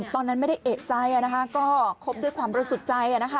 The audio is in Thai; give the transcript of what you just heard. ตอนนั้นไม่ได้เอกใจก็คบด้วยความบริสุทธิ์ใจ